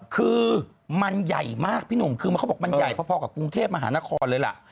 คือมันใหญ่มากพี่หนุ่มคือเขาบอกมันใหญ่พอกับกรุงเทพมหานครเลยล่ะ